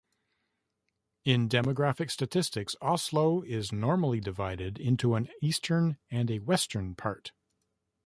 In demographic statistics Oslo is usually divided into an eastern and a western part.